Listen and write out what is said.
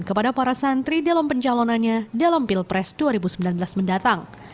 kepada para santri dalam pencalonannya dalam pilpres dua ribu sembilan belas mendatang